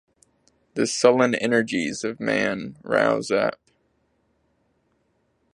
The sullen energies of man rouse up.